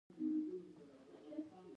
اسمان خړ دی